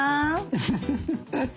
フフフフ。